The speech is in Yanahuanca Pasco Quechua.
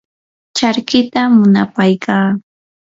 charkita munapaykaa.